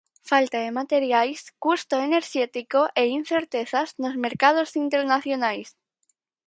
Falta de materiais, custo enerxético e incerteza nos mercados internacionais.